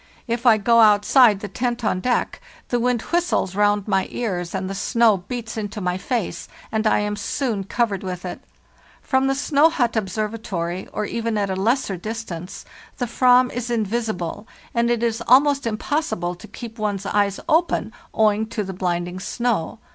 If I go outside the tent on deck, the wind whistles round my ears, and the snow beats into my face, and I am soon covered with it. From the snow hut observatory, or even at a lesser dis tance, the Ayam is invisible, and it is almost impossible to keep one's eyes open, owing to the blinding snow.